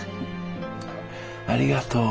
ありがとう。